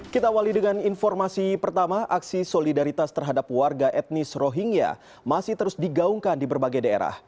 kita awali dengan informasi pertama aksi solidaritas terhadap warga etnis rohingya masih terus digaungkan di berbagai daerah